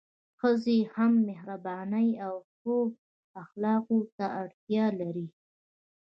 ښځي هم مهربانۍ او ښو اخلاقو ته اړتیا لري